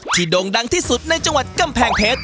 โด่งดังที่สุดในจังหวัดกำแพงเพชร